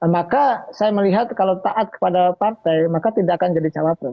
maka saya melihat kalau taat kepada partai maka tidak akan jadi cawapres